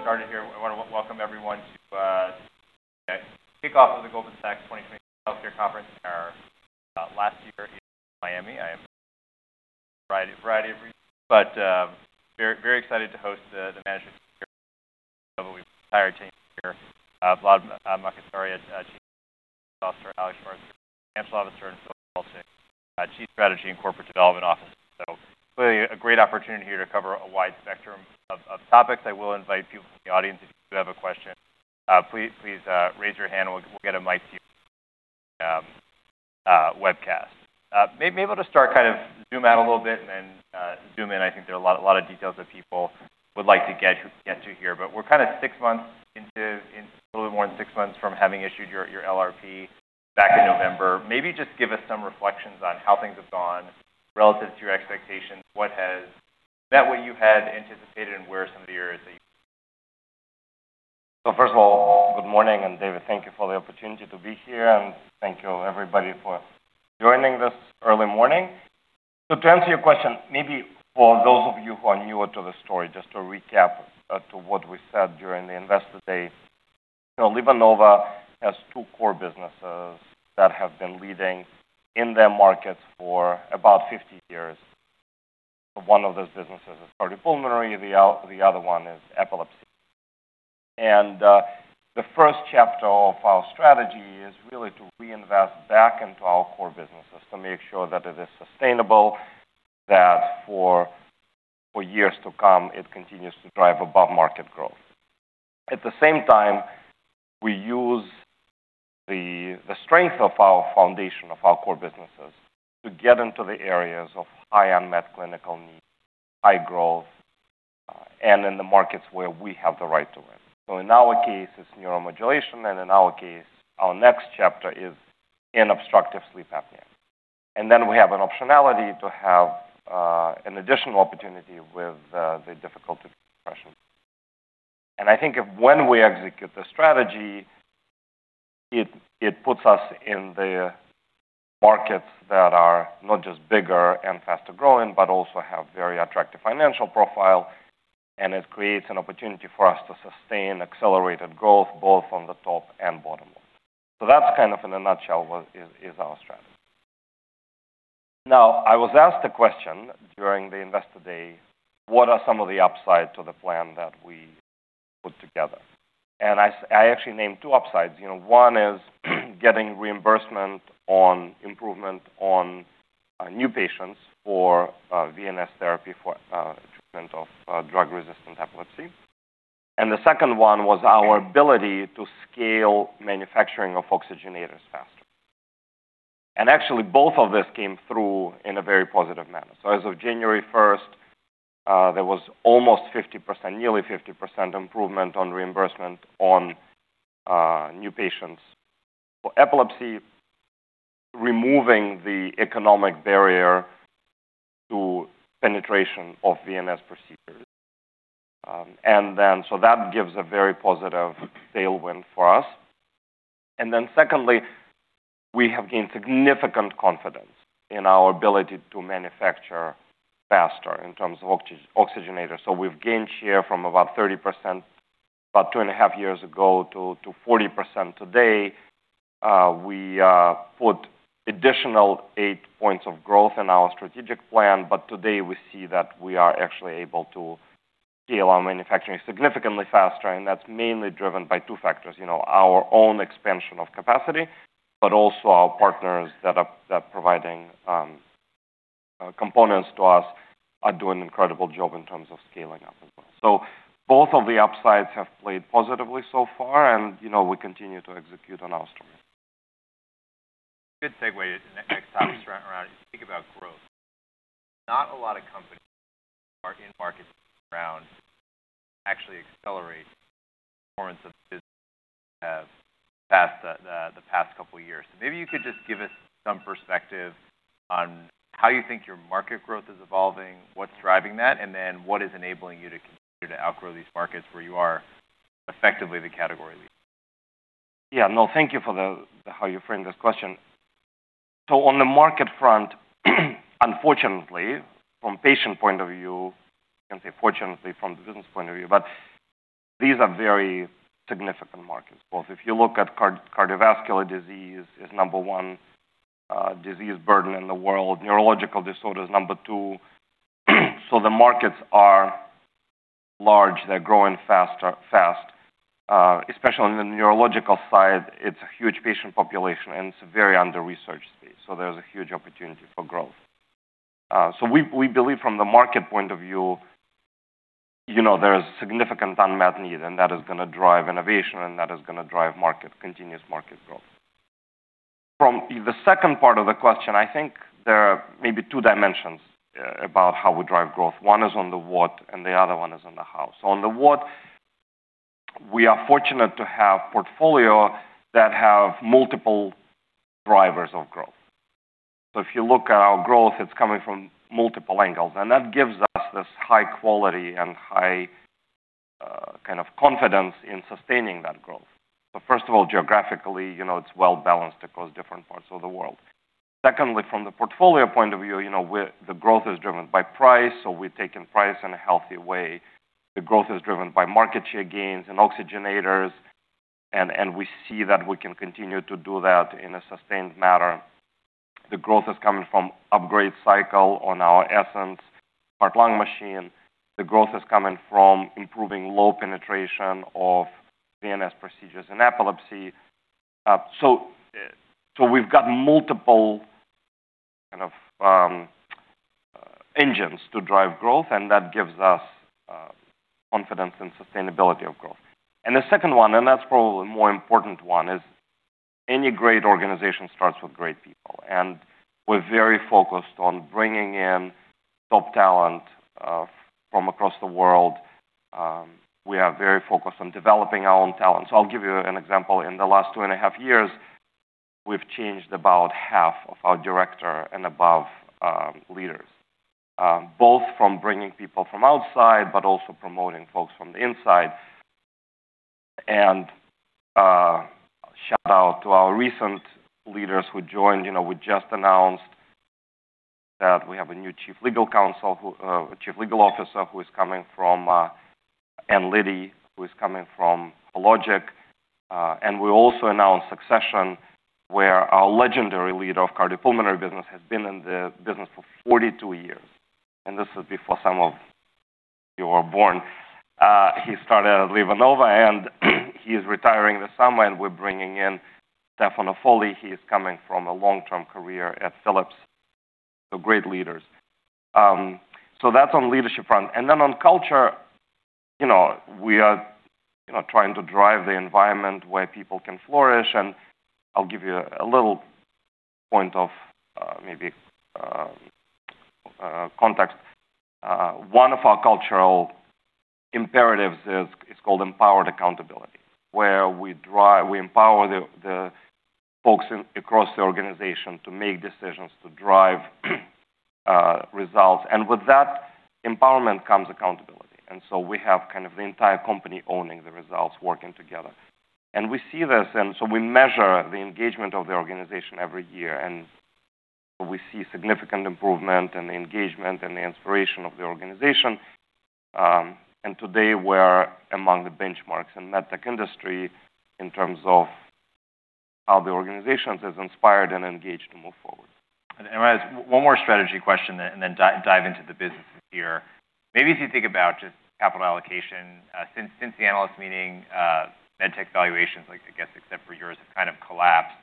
Good morning. We'll go ahead and get started here. I want to welcome everyone to the kickoff of the Goldman Sachs 2023 Healthcare Conference, our last year in Miami. Variety of reasons. Very excited to host the management here. We have the entire team here. Vladimir Makatsaria, Chief Executive Officer, Alex Shvartsburg, Chief Financial Officer, and Philip Kowalczyk, Chief Strategy and Corporate Development Officer. Clearly, a great opportunity here to cover a wide spectrum of topics. I will invite people from the audience, if you do have a question, please raise your hand and we'll get a mic to you. Webcast. Maybe I'll just start zoom out a little bit and then zoom in. I think there are a lot of details that people would like to get to here. We're six months into, a little bit more than six months from having issued your LRP back in November. Maybe just give us some reflections on how things have gone relative to your expectations, what has met what you had anticipated, and where are some of the areas that you- First of all, good morning, and David, thank you for the opportunity to be here, and thank you, everybody, for joining this early morning. To answer your question, maybe for those of you who are newer to the story, just to recap to what we said during the Investor Day, LivaNova has two core businesses that have been leading in their markets for about 50 years. One of those businesses is Cardiopulmonary, the other one is epilepsy. The first chapter of our strategy is really to reinvest back into our core businesses to make sure that it is sustainable, that for years to come, it continues to drive above-market growth. At the same time, we use the strength of our foundation, of our core businesses, to get into the areas of high unmet clinical need, high growth, and in the markets where we have the right to win. In our case, it's neuromodulation, and in our case, our next chapter is in obstructive sleep apnea. We have an optionality to have an additional opportunity with the difficult-to-treat depression. I think of when we execute the strategy, it puts us in the markets that are not just bigger and faster-growing, but also have very attractive financial profile, and it creates an opportunity for us to sustain accelerated growth both on the top and bottom line. That's kind of in a nutshell is our strategy. I was asked a question during the Investor Day, what are some of the upsides to the plan that we put together? I actually named two upsides. One is getting reimbursement on improvement on new patients for VNS Therapy for treatment of drug-resistant epilepsy. The second one was our ability to scale manufacturing of oxygenators faster. Actually, both of these came through in a very positive manner. As of January 1st, there was almost 50%, nearly 50% improvement on reimbursement on new patients for epilepsy, removing the economic barrier to penetration of VNS procedures. That gives a very positive tailwind for us. Secondly, we have gained significant confidence in our ability to manufacture faster in terms of oxygenators. We've gained share from about 30% about 2.5 Years ago to 40% today. We put additional eight points of growth in our strategic plan, today we see that we are actually able to scale our manufacturing significantly faster, and that's mainly driven by two factors. Our own expansion of capacity, also our partners that are providing components to us are doing an incredible job in terms of scaling up as well. Both of the upsides have played positively so far, and we continue to execute on our strategy. Good segue and next topic around if you think about growth. Not a lot of companies are in markets around actually accelerate performance of businesses have the past couple of years. Maybe you could just give us some perspective on how you think your market growth is evolving, what's driving that, and what is enabling you to continue to outgrow these markets where you are effectively the category leader. Yeah, no, thank you for how you framed this question. On the market front, unfortunately from patient point of view, I can say fortunately from the business point of view, these are very significant markets. Both if you look at cardiovascular disease is number 1 disease burden in the world. Neurological disorder is number two. The markets are large. They're growing fast, especially on the neurological side. It's a huge patient population, and it's a very under-researched space. There's a huge opportunity for growth. We believe from the market point of view, there is significant unmet need, and that is going to drive innovation and that is going to drive continuous market growth. From the second part of the question, I think there are maybe two dimensions about how we drive growth. One is on the what and the other one is on the how. On the what, we are fortunate to have portfolio that have multiple drivers of growth. If you look at our growth, it's coming from multiple angles, and that gives us this high kind of confidence in sustaining that growth. First of all, geographically, it's well-balanced across different parts of the world. Secondly, from the portfolio point of view, the growth is driven by price, so we've taken price in a healthy way. The growth is driven by market share gains and oxygenators, and we see that we can continue to do that in a sustained manner. The growth is coming from upgrade cycle on our Essenz heart-lung machine. The growth is coming from improving low penetration of VNS procedures in epilepsy. We've got multiple kind of engines to drive growth, and that gives us confidence and sustainability of growth. The second one, and that's probably the more important one, is any great organization starts with great people. We're very focused on bringing in top talent from across the world. We are very focused on developing our own talent. I'll give you an example. In the last two and a half years, we've changed about half of our director and above leaders, both from bringing people from outside, but also promoting folks from the inside. Shout-out to our recent leaders who joined. We just announced that we have a new chief legal officer who is coming from Hologic. We also announced succession, where our legendary leader of cardiopulmonary business has been in the business for 42 years, and this is before some of you were born. He started at LivaNova, he is retiring this summer, and we're bringing in Stefano Folli. He is coming from a long-term career at Philips. Great leaders. That's on leadership front. Then on culture, we are trying to drive the environment where people can flourish. I'll give you a little point of maybe context. One of our cultural imperatives is called empowered accountability, where we empower the folks across the organization to make decisions, to drive results. With that empowerment comes accountability. We have kind of the entire company owning the results, working together. We see this, we measure the engagement of the organization every year, and we see significant improvement in the engagement and the inspiration of the organization. Today, we're among the benchmarks in med tech industry in terms of how the organization is inspired and engaged to move forward. One more strategy question and then dive into the businesses here. Maybe if you think about just capital allocation. Since the analyst meeting, MedTech valuations, I guess except for yours, have kind of collapsed.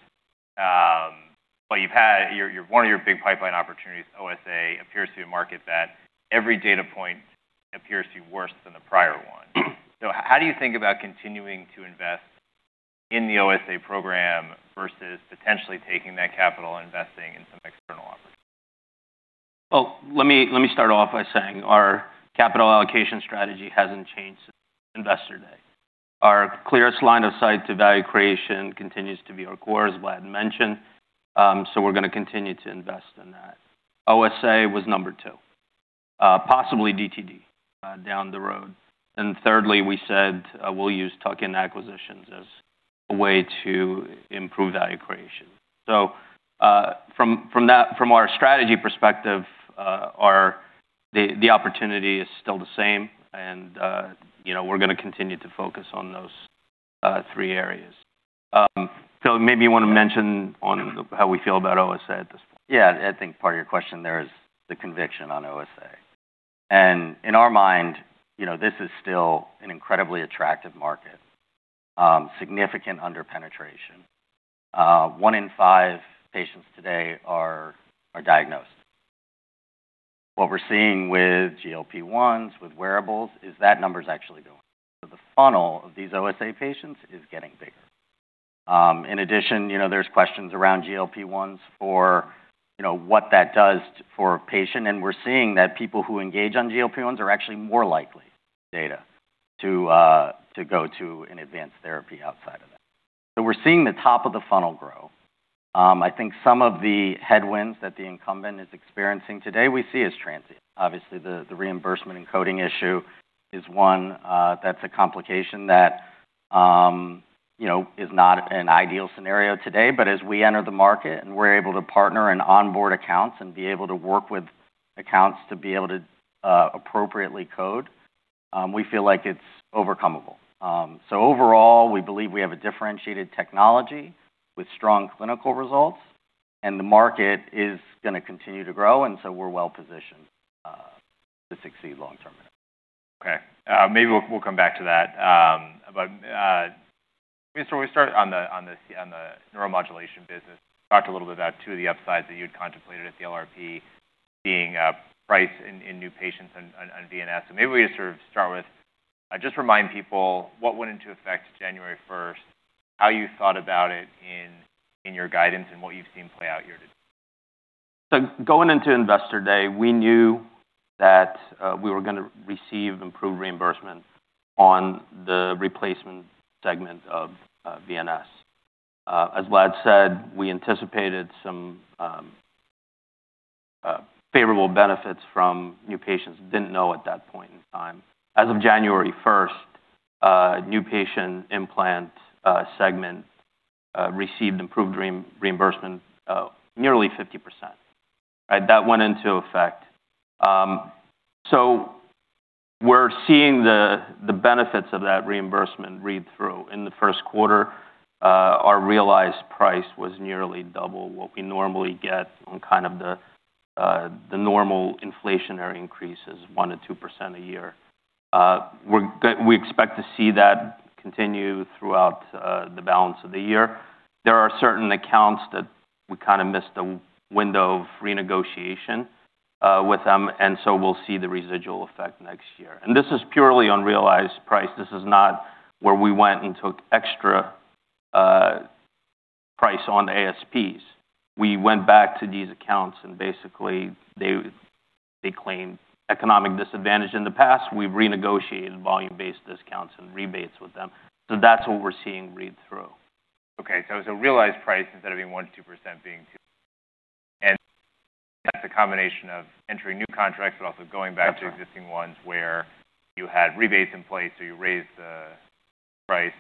One of your big pipeline opportunities, OSA, appears to be a market that every data point appears to be worse than the prior one. How do you think about continuing to invest in the OSA program versus potentially taking that capital and investing in some external opportunities? Well, let me start off by saying our capital allocation strategy hasn't changed since Investor Day. Our clearest line of sight to value creation continues to be our core, as Vlad mentioned. We're going to continue to invest in that. OSA was number two. Possibly DTD down the road. Thirdly, we said we'll use tuck-in acquisitions as a way to improve value creation. From our strategy perspective, the opportunity is still the same and we're going to continue to focus on those three areas. Phil, maybe you want to mention on how we feel about OSA at this point. Yeah, I think part of your question there is the conviction on OSA. In our mind, this is still an incredibly attractive market, significant under-penetration. One in five patients today are diagnosed. What we're seeing with GLP-1s, with wearables, is that number's actually going up. The funnel of these OSA patients is getting bigger. In addition, there's questions around GLP-1s for what that does for a patient, and we're seeing that people who engage on GLP-1s are actually more likely data to go to an advanced therapy outside of that. We're seeing the top of the funnel grow. I think some of the headwinds that the incumbent is experiencing today, we see as transient. Obviously, the reimbursement and coding issue is one that's a complication that is not an ideal scenario today. As we enter the market and we're able to partner and onboard accounts and be able to work with accounts to be able to appropriately code, we feel like it's overcomeable. Overall, we believe we have a differentiated technology with strong clinical results, and the market is going to continue to grow, and so we're well-positioned to succeed long term in it. Okay. Maybe we'll come back to that. We started on the neuromodulation business. Talked a little bit about two of the upsides that you had contemplated at the LRP being price in new patients on VNS. Maybe we could sort of start with just remind people what went into effect January 1st, how you thought about it in your guidance, and what you've seen play out here to date. Going into Investor Day, we knew that we were going to receive improved reimbursement on the replacement segment of VNS. As Vlad said, we anticipated some favorable benefits from new patients didn't know at that point in time. As of January 1st, new patient implant segment received improved reimbursement of nearly 50%. That went into effect. We're seeing the benefits of that reimbursement read through. In the first quarter, our realized price was nearly double what we normally get on the normal inflationary increases, 1%-2% a year. We expect to see that continue throughout the balance of the year. There are certain accounts that we kind of missed the window of renegotiation with them, and so we'll see the residual effect next year. This is purely on realized price. This is not where we went and took extra price on the ASPs. We went back to these accounts, and basically, they claimed economic disadvantage in the past. We've renegotiated volume-based discounts and rebates with them. That's what we're seeing read through. Okay. Realized price, instead of being 1%-2%, being 2%. That's a combination of entering new contracts, but also going back. To existing ones where you had rebates in place, you raised the price,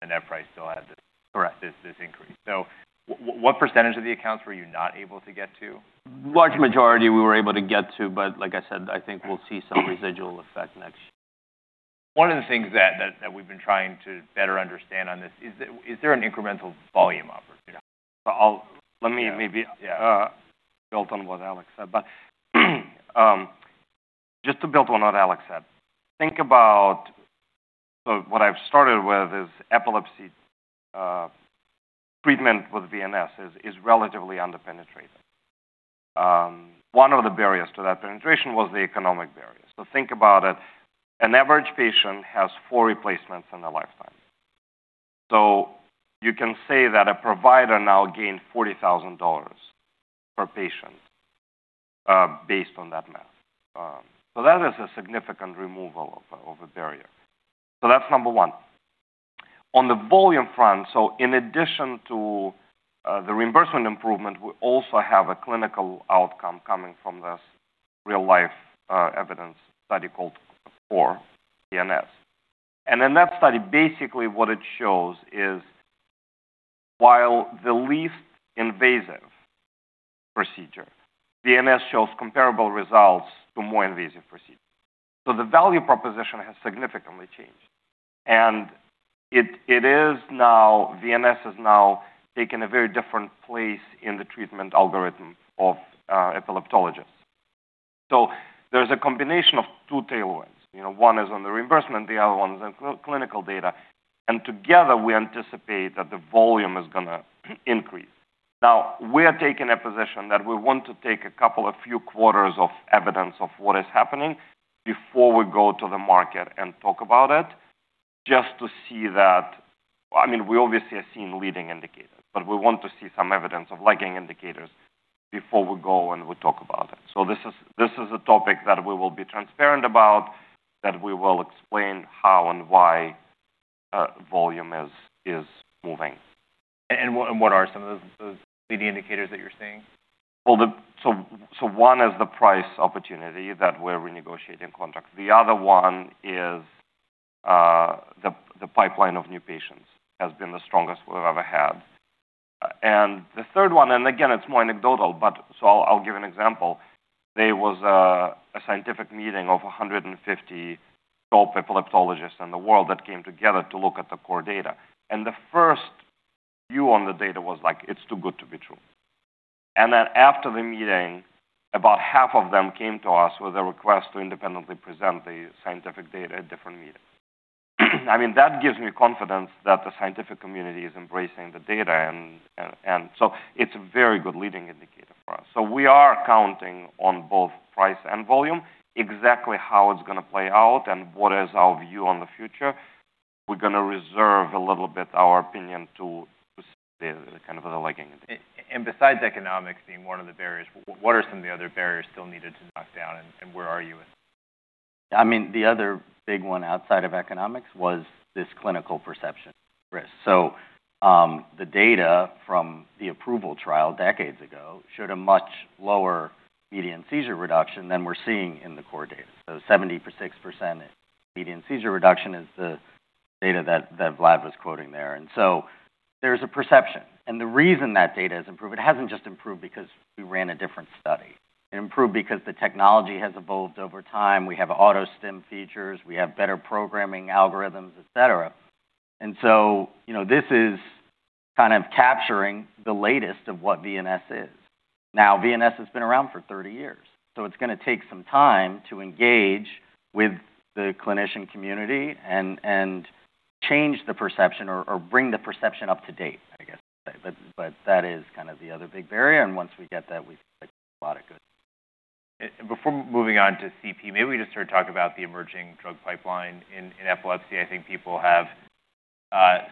the net price still had this- Correct this increase. What percentage of the accounts were you not able to get to? Large majority we were able to get to, like I said, I think we'll see some residual effect next year. One of the things that we've been trying to better understand on this is there an incremental volume opportunity? Let me. Yeah Just to build on what Alex said, think about what I've started with is epilepsy treatment with VNS is relatively under-penetrated. One of the barriers to that penetration was the economic barriers. Think about it, an average patient has four replacements in their lifetime. You can say that a provider now gained $40,000 per patient based on that math. That is a significant removal of a barrier. That's number one. On the volume front, in addition to the reimbursement improvement, we also have a clinical outcome coming from this real-world evidence study called CORE-VNS. In that study, basically what it shows is while the least invasive procedure, VNS shows comparable results to more invasive procedures. The value proposition has significantly changed, and VNS has now taken a very different place in the treatment algorithm of epileptologists. There's a combination of two tailwinds. One is on the reimbursement, the other one is on clinical data. Together, we anticipate that the volume is going to increase. Now, we are taking a position that we want to take a couple of few quarters of evidence of what is happening before we go to the market and talk about it. We obviously have seen leading indicators, but we want to see some evidence of lagging indicators before we go and we talk about it. This is a topic that we will be transparent about, that we will explain how and why volume is moving. What are some of the leading indicators that you're seeing? One is the price opportunity that we're renegotiating contracts. The other one is the pipeline of new patients has been the strongest we've ever had. The third one, again, it's more anecdotal, but I'll give an example. There was a scientific meeting of 150 top epileptologists in the world that came together to look at the core data. The first view on the data was like, "It's too good to be true." After the meeting, about half of them came to us with a request to independently present the scientific data at different meetings. That gives me confidence that the scientific community is embracing the data, it's a very good leading indicator for us. We are counting on both price and volume. Exactly how it's going to play out and what is our view on the future, we're going to reserve a little bit our opinion to see the lagging indicator. Besides economics being one of the barriers, what are some of the other barriers still needed to knock down, and where are you with them? The other big one outside of economics was this clinical perception risk. The data from the approval trial decades ago showed a much lower median seizure reduction than we're seeing in the CORE-VNS data. 76% median seizure reduction is the data that Vlad was quoting there. There's a perception. The reason that data has improved, it hasn't just improved because we ran a different study. It improved because the technology has evolved over time. We have AutoStim features, we have better programming algorithms, et cetera. This is kind of capturing the latest of what VNS is. VNS has been around for 30 years, so it's going to take some time to engage with the clinician community and change the perception or bring the perception up to date, I guess you'd say. That is kind of the other big barrier. Before moving on to CP, maybe we just sort of talk about the emerging drug pipeline in epilepsy. I think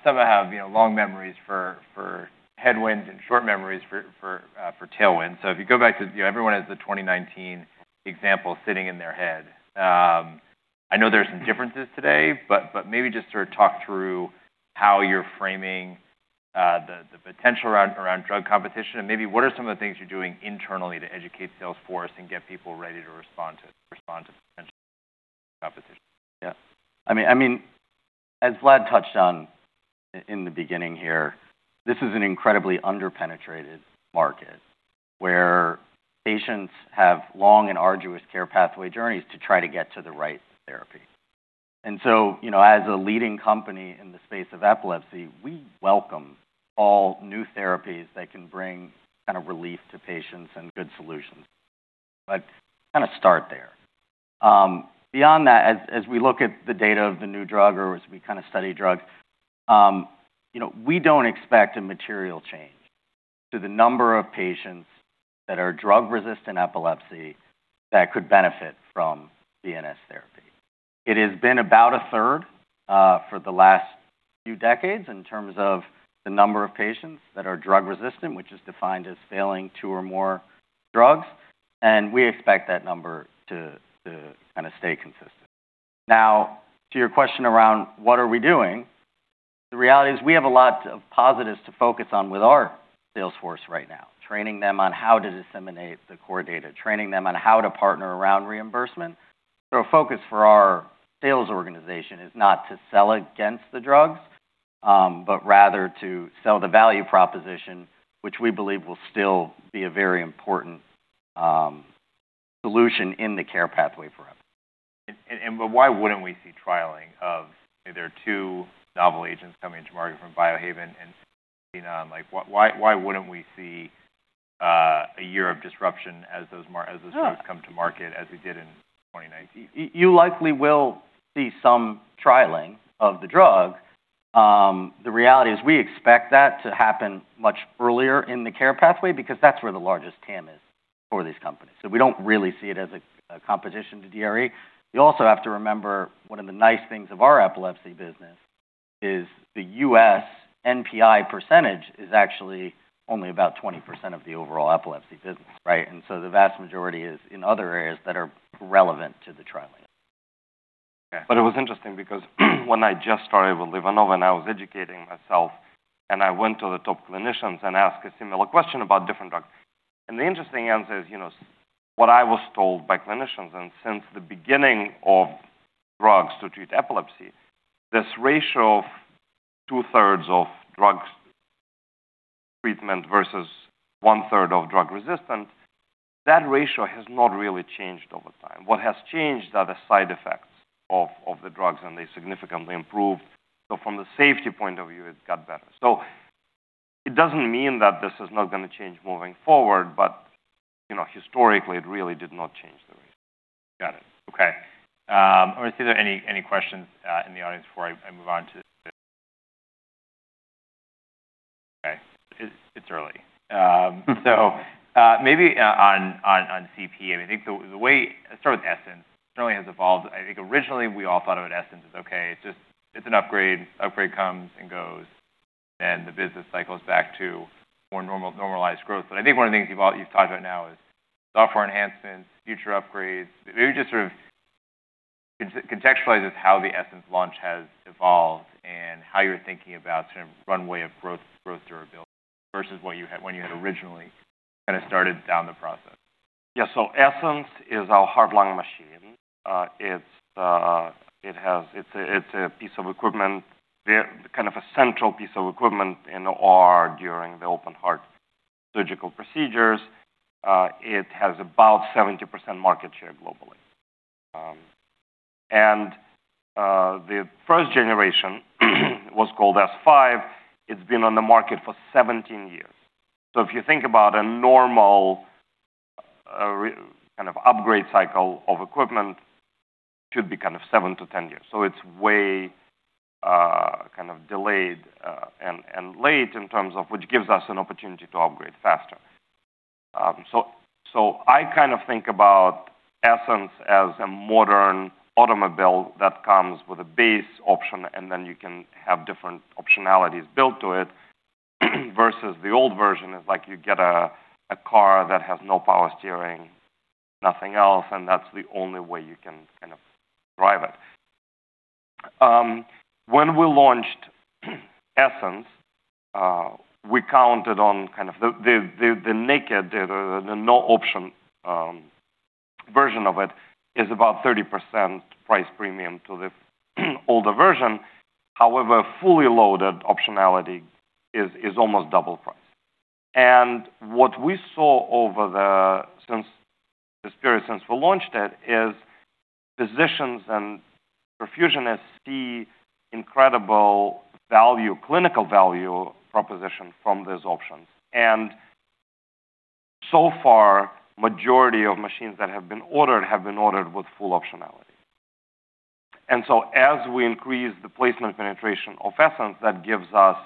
some have long memories for headwinds and short memories for tailwinds. If you go back to, everyone has the 2019 example sitting in their head. I know there's some differences today, but maybe just sort of talk through how you're framing the potential around drug competition and maybe what are some of the things you're doing internally to educate sales force and get people ready to respond to potential competition? Yeah. As Vlad touched on in the beginning here, this is an incredibly under-penetrated market where patients have long and arduous care pathway journeys to try to get to the right therapy. As a leading company in the space of epilepsy, we welcome all new therapies that can bring relief to patients and good solutions. I'd kind of start there. Beyond that, as we look at the data of the new drug or as we kind of study drugs, we don't expect a material change to the number of patients that are drug-resistant epilepsy that could benefit from VNS Therapy. It has been about a third for the last few decades in terms of the number of patients that are drug resistant, which is defined as failing two or more drugs, and we expect that number to kind of stay consistent. To your question around what are we doing, the reality is we have a lot of positives to focus on with our sales force right now. Training them on how to disseminate the CORE data, training them on how to partner around reimbursement. Our focus for our sales organization is not to sell against the drugs, but rather to sell the value proposition, which we believe will still be a very important solution in the care pathway for epilepsy. Why wouldn't we see trialing of, there are two novel agents coming to market from Biohaven and AbbVie. Why wouldn't we see a year of disruption as those drugs Sure come to market as we did in 2019? You likely will see some trialing of the drug. The reality is we expect that to happen much earlier in the care pathway because that's where the largest TAM is for these companies. We don't really see it as a competition to DRE. You also have to remember, one of the nice things of our epilepsy business is the U.S. NPI percentage is actually only about 20% of the overall epilepsy business, right? The vast majority is in other areas that are relevant to the trialing. Okay. It was interesting because when I just started with LivaNova and I was educating myself, I went to the top clinicians and asked a similar question about different drugs. The interesting answer is, what I was told by clinicians, since the beginning of drugs to treat epilepsy, this ratio of 2/3 of drugs treatment versus 1/3 of drug-resistant, that ratio has not really changed over time. What has changed are the side effects of the drugs, and they significantly improved. From the safety point of view, it got better. It doesn't mean that this is not going to change moving forward. Historically, it really did not change the ratio. Got it. Okay. I want to see if there are any questions in the audience before I move on to this. Okay. It's early. Maybe on CP, I think the way, let's start with Essenz. Certainly has evolved. I think originally we all thought about Essenz as, okay, it's an upgrade. Upgrade comes and goes. The business cycle's back to more normalized growth. I think one of the things you've talked about now is software enhancements, future upgrades. Maybe just sort of contextualize how the Essenz launch has evolved and how you're thinking about sort of runway of growth durability versus when you had originally kind of started down the process. Yeah. Essenz is our heart-lung machine. It's a piece of equipment, kind of a central piece of equipment in the OR during the open heart surgical procedures. It has about 70% market share globally. The first generation was called S5. It's been on the market for 17 years. If you think about a normal kind of upgrade cycle of equipment, should be kind of 7-10 years. It's way kind of delayed and late in terms of which gives us an opportunity to upgrade faster. I kind of think about Essenz as a modern automobile that comes with a base option, and then you can have different optionalities built to it versus the old version is like you get a car that has no power steering, nothing else, and that's the only way you can kind of drive it. When we launched Essenz, we counted on kind of the naked, the no option version of it is about 30% price premium to the older version. However, fully loaded optionality is almost double price. What we saw over the, since this period since we launched it is physicians and perfusionists see incredible clinical value proposition from those options. So far, majority of machines that have been ordered have been ordered with full optionality. As we increase the placement penetration of Essenz, that gives us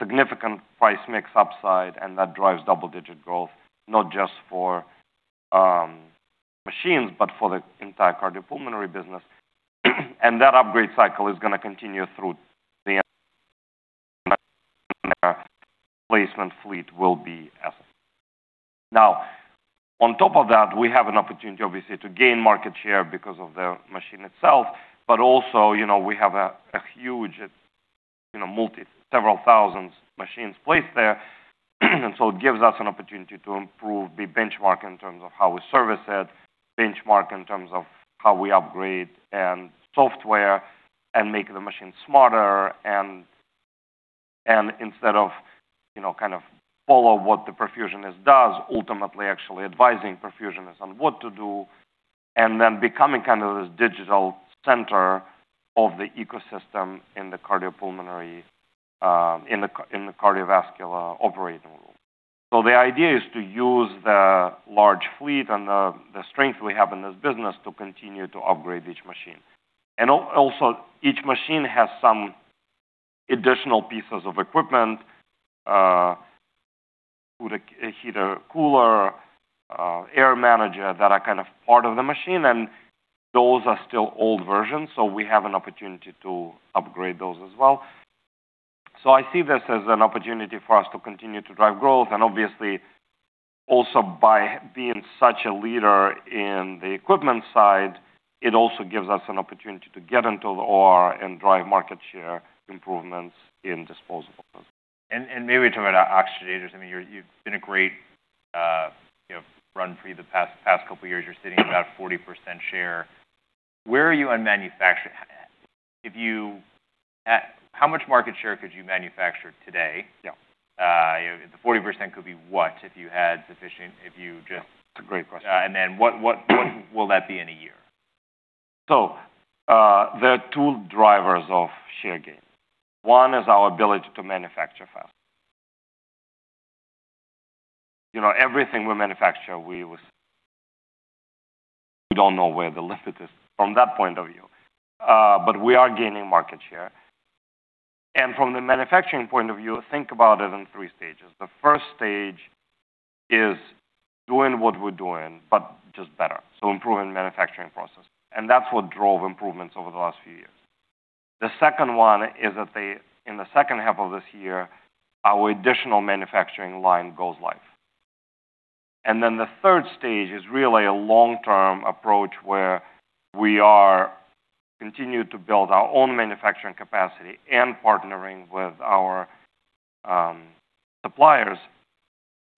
significant price mix upside, and that drives double-digit growth, not just for machines, but for the entire Cardiopulmonary business. That upgrade cycle is going to continue through the uncertain. On top of that, we have an opportunity, obviously, to gain market share because of the machine itself, but also we have a huge multi several thousands machines placed there. It gives us an opportunity to improve the benchmark in terms of how we service it, benchmark in terms of how we upgrade software, and make the machine smarter. Instead of follow what the perfusionist does, ultimately actually advising perfusionists on what to do, then becoming this digital center of the ecosystem in the cardiovascular operating room. The idea is to use the large fleet and the strength we have in this business to continue to upgrade each machine. Also each machine has some additional pieces of equipment, a heater, cooler, air manager, that are part of the machine, and those are still old versions. We have an opportunity to upgrade those as well. I see this as an opportunity for us to continue to drive growth. Obviously, also by being such a leader in the equipment side, it also gives us an opportunity to get into the OR and drive market share improvements in disposable business. Maybe we talk about oxygenators. You've been a great run for the past couple of years. You're sitting at about 40% share. Where are you on manufacturing? How much market share could you manufacture today? Yeah. The 40% could be what if you had sufficient- That's a great question. What will that be in a year? There are two drivers of share gain. One is our ability to manufacture fast. Everything we manufacture, we will sell. We don't know where the limit is from that point of view, but we are gaining market share. From the manufacturing point of view, think about it in three stages. The stage 1 is doing what we're doing, but just better, so improving manufacturing process. That's what drove improvements over the last few years. The second one is that in the second half of this year, our additional manufacturing line goes live. The stage 3 is really a long-term approach where we are continuing to build our own manufacturing capacity and partnering with our suppliers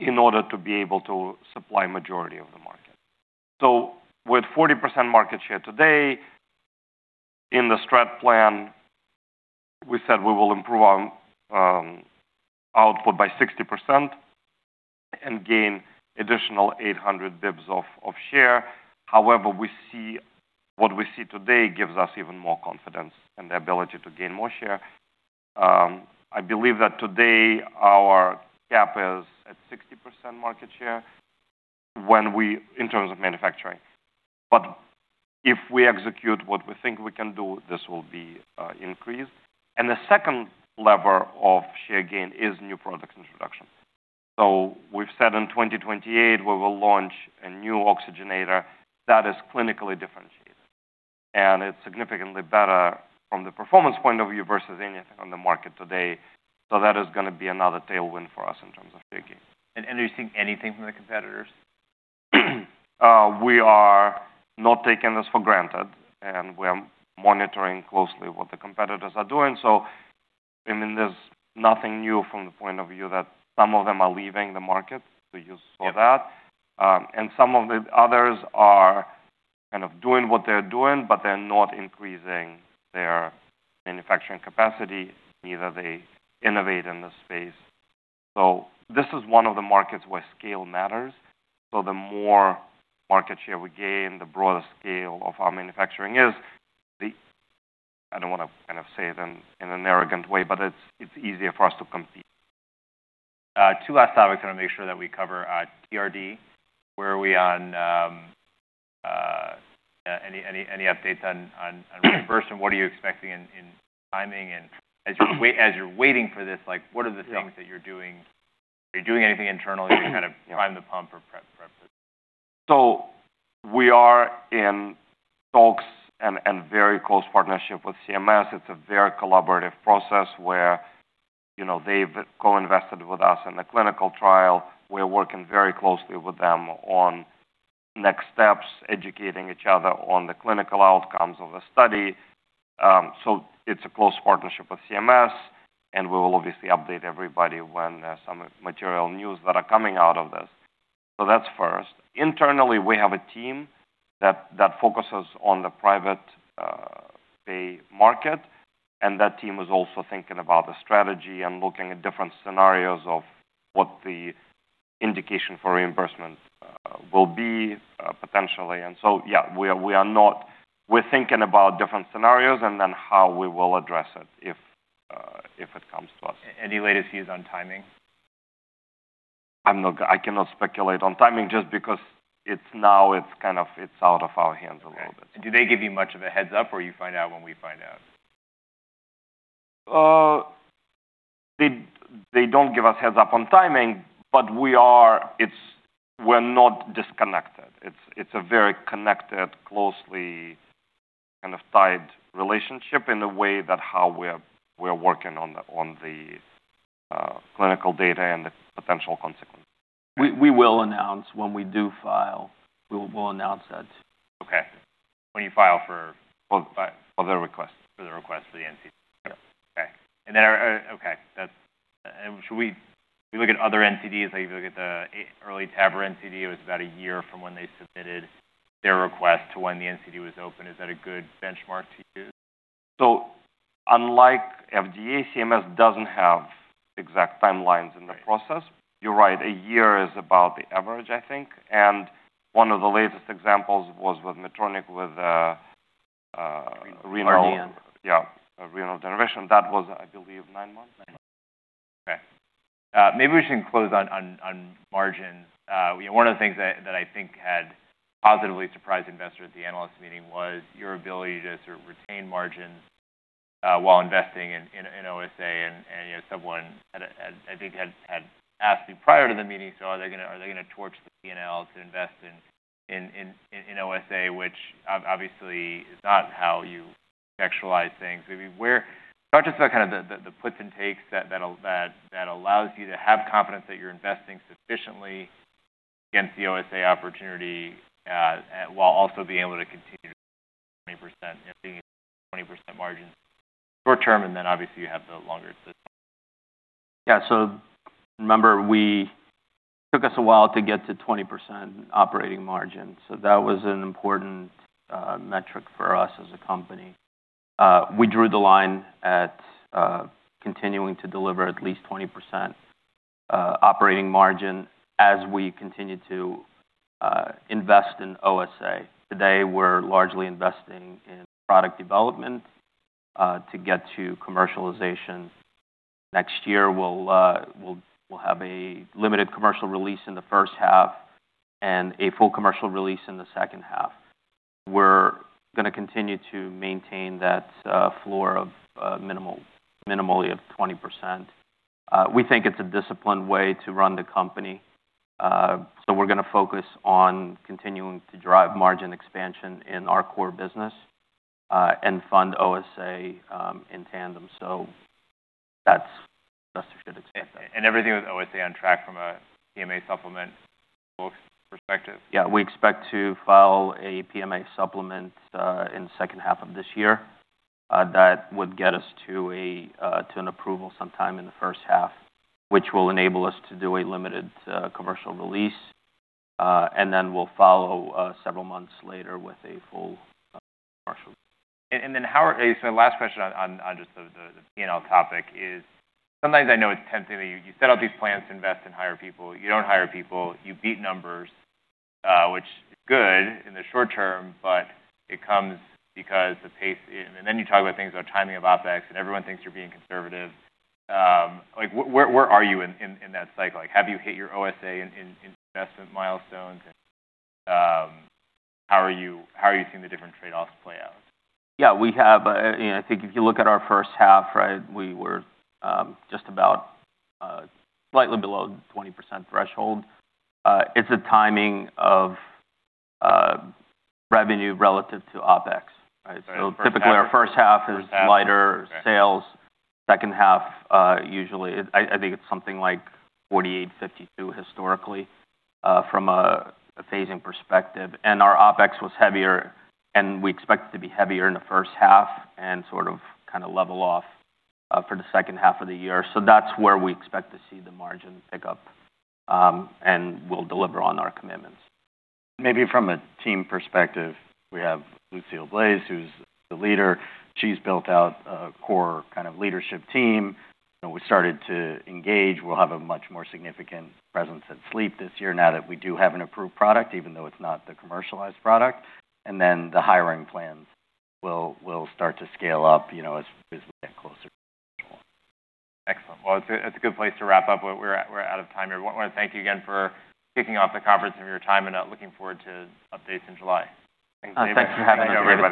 in order to be able to supply majority of the market. With 40% market share today, in the strat plan, we said we will improve our output by 60% and gain additional 800 basis points of share. However, what we see today gives us even more confidence in the ability to gain more share. I believe that today our gap is at 60% market share in terms of manufacturing. If we execute what we think we can do, this will be increased. The second lever of share gain is new product introduction. We've said in 2028, we will launch a new oxygenator that is clinically differentiated, and it's significantly better from the performance point of view versus anything on the market today. That is going to be another tailwind for us in terms of share gain. Are you seeing anything from the competitors? We are not taking this for granted, and we are monitoring closely what the competitors are doing. There's nothing new from the point of view that some of them are leaving the market. You saw that. Yeah. Some of the others are kind of doing what they're doing, but they're not increasing their manufacturing capacity, neither they innovate in the space. This is one of the markets where scale matters. The more market share we gain, the broader scale of our manufacturing is. I don't want to say it in an arrogant way, but it's easier for us to compete. Two last topics I want to make sure that we cover. TRD, Any updates on reimbursement? What are you expecting in timing and as you're waiting for this, what are the things that you're doing? Are you doing anything internally to prime the pump or prep for this? We are in talks and very close partnership with CMS. It's a very collaborative process where they've co-invested with us in the clinical trial. We're working very closely with them on next steps, educating each other on the clinical outcomes of the study. It's a close partnership with CMS, and we will obviously update everybody when there's some material news that are coming out of this. That's first. Internally, we have a team that focuses on the private pay market, and that team is also thinking about the strategy and looking at different scenarios of what the indication for reimbursement will be potentially. Yeah, we're thinking about different scenarios and then how we will address it if it comes to us. Any latest views on timing? I cannot speculate on timing just because it's out of our hands a little bit. Okay. Do they give you much of a heads-up, or you find out when we find out? They don't give us heads-up on timing. We're not disconnected. It's a very connected, closely kind of side relationship in the way that how we're working on the clinical data and the potential consequences. We will announce when we do file. We'll announce that. Okay. When you file. Well, file For the request for the NCD. Yep. Okay. Should we look at other NCDs? Like if you look at the early TAVR NCD, it was about a year from when they submitted their request to when the NCD was open. Is that a good benchmark to use? Unlike FDA, CMS doesn't have exact timelines in the process. Right. You're right. A year is about the average, I think, and one of the latest examples was with Medtronic. Renal renal- RDN. Yeah, renal denervation. That was, I believe, nine months. Nine months. Okay. Maybe we should close on margins. One of the things that I think had positively surprised investors at the analyst meeting was your ability to sort of retain margins while investing in OSA and someone, I think, had asked me prior to the meeting. Are they going to torch the P&L to invest in OSA, which obviously is not how you actualize things. Talk to us about kind of the puts and takes that allows you to have confidence that you're investing sufficiently against the OSA opportunity, while also being able to continue 20% and seeing 20% margins short term, and then obviously you have the longer term. Yeah. Remember, it took us a while to get to 20% operating margin. That was an important metric for us as a company. We drew the line at continuing to deliver at least 20% operating margin as we continue to invest in OSA. Today, we're largely investing in product development to get to commercialization. Next year, we'll have a limited commercial release in the first half and a full commercial release in the second half. We're going to continue to maintain that floor of minimally of 20%. We think it's a disciplined way to run the company. We're going to focus on continuing to drive margin expansion in our core business, and fund OSA in tandem. That's what investors should expect there. Everything with OSA on track from a PMA supplement perspective? Yeah, we expect to file a PMA supplement in the second half of this year. That would get us to an approval sometime in the first half, which will enable us to do a limited commercial release. We'll follow several months later with a full commercial. Last question on just the P&L topic is sometimes I know it's tempting that you set out these plans to invest and hire people. You don't hire people, you beat numbers, which is good in the short term. You talk about things about timing of OpEx, and everyone thinks you're being conservative. Where are you in that cycle? Have you hit your OSA in investment milestones? How are you seeing the different trade-offs play out? Yeah. I think if you look at our first half, right, we were just about slightly below the 20% threshold. It's a timing of revenue relative to OpEx, right? Right. Typically our first half is lighter sales. Second half, usually, I think it's something like 48%-52% historically, from a phasing perspective. Our OpEx was heavier, and we expect it to be heavier in the first half and sort of level off for the second half of the year. That's where we expect to see the margin pick up, and we'll deliver on our commitments. Maybe from a team perspective, we have Lucile Blaise, who's the leader. She's built out a core kind of leadership team, and we started to engage. We'll have a much more significant presence at SLEEP this year now that we do have an approved product, even though it's not the commercialized product. The hiring plans will start to scale up as we get closer to commercial. Excellent. Well, it's a good place to wrap up. We're out of time here. I want to thank you again for kicking off the conference and your time, and looking forward to updates in July. Thanks. Thanks for having us. Thank you, everybody.